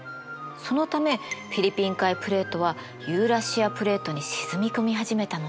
そのためフィリピン海プレートはユーラシアプレートに沈み込み始めたのね。